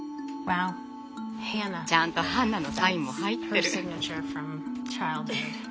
ちゃんとハンナのサインも入ってる。